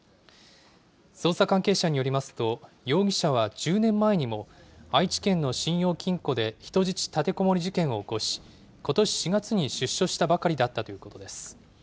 捜査関係者によりますと、容疑者は１０年前にも、愛知県の信用金庫で人質立てこもり事件を起こし、ことし４月に出所したばかりだったということです。